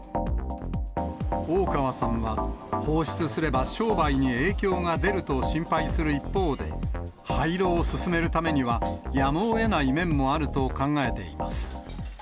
大川さんは、放出すれば商売に影響が出ると心配する一方で、廃炉を進めるためにはやむをえない面もあると考えています。